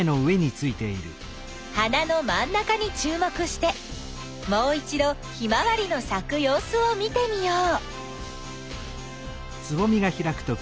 花の真ん中にちゅうもくしてもう一どヒマワリのさくようすを見てみよう。